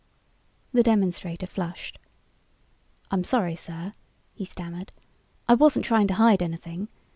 The demonstrator flushed. "I'm sorry, sir," he stammered. "I wasn't trying to hide anything.